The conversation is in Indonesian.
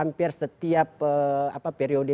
tapi kalau saya mana mana berharap lain